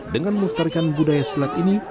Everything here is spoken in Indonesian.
dengan melestarikan budaya silat ini